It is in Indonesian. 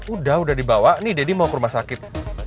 udah udah dibawa nih deddy mau ke rumah sakit